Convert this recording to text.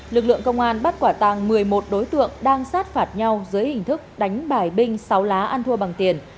lực lượng công an bắt quả tàng một mươi một đối tượng đang sát phạt nhau dưới hình thức đánh bài binh sáu lá ăn thua bằng tiền